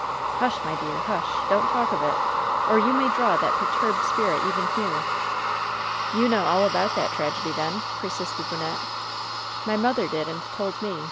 "Hush, my dear. Husht Don't talk of it, or you may draw that perturbed spirit even here." "You know all about that tragedy, then?" persisted Wynnette. "My mother did, and told me.